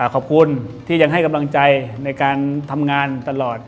ขอบคุณที่ยังให้กำลังใจในการทำงานตลอด